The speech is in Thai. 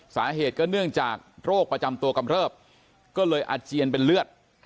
สาเหตุก็เนื่องจากโรคประจำตัวกำเริบก็เลยอาเจียนเป็นเลือด